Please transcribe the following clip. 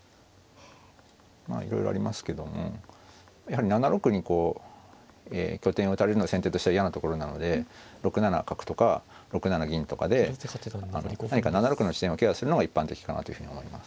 まあいろいろありますけどもやはり７六にこう拠点を打たれるのが先手としては嫌なところなので６七角とか６七銀とかで何か７六の地点をケアするのが一般的かなというふうに思います。